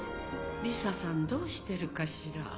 リサさんどうしてるかしら？